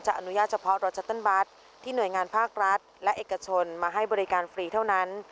อนุญาตเฉพาะรถชัตเติ้ลบัตรที่หน่วยงานภาครัฐและเอกชนมาให้บริการฟรีเท่านั้น